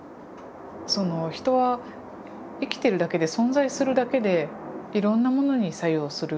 人は生きてるだけで存在するだけでいろんなものに作用する。